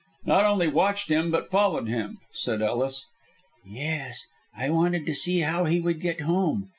"Not only watched him, but followed him," said Ellis. "Yes, I wanted to see how he would get home.